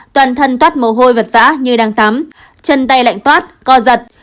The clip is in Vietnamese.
toàn thân toát mồ hôi vật vã như đang tắm chân tay lạnh toát co giật